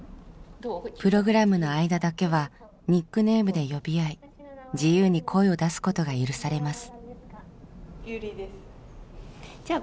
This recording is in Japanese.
プログラムの間だけはニックネームで呼び合い自由に声を出すことが許されます。